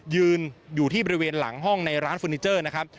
ยืนอยู่ที่บริเวณหลังห้องในร้านเฟอร์นิเจอร์นะครับ